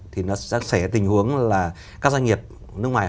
thì nó sẽ tình huống là các doanh nghiệp nước ngoài